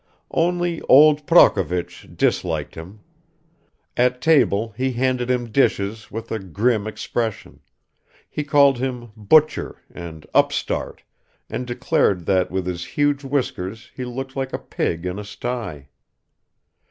Only old Prokovich disliked him; at table he handed him dishes with a grim expression; he called him "butcher" and "upstart" and declared that with his huge whiskers he looked like a pig in a sty.